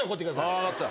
ああ分かった。